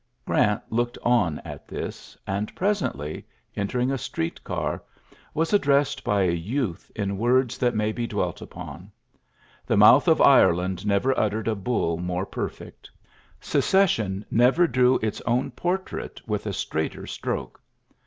Grant looked on at tb and presently, entering a street car, n addressed by a youth in words that m be dwelt upon. The mouth of Irela never uttered a bull more perfect, i cession never drew its own portrait wi a stradghter stroke.